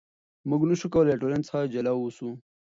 موږ نشو کولای له ټولنې څخه جلا اوسو.